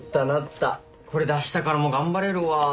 これであしたからも頑張れるわ。